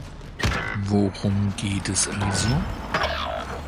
Worum geht es also?